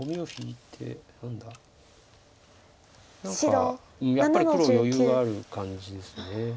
何かやっぱり黒余裕がある感じです